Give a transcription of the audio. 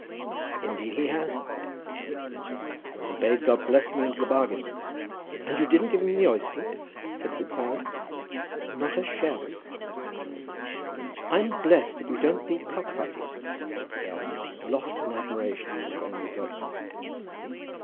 "Indeed he has," said Johnny; "and bade God bless me into the bargain." "And you didn't give him the oysters?" said FitzHoward. "Not a shell," said Johnny. "I'm blessed if you don't beat cock fighting," said Cradell, lost in admiration at his friend's adroitness.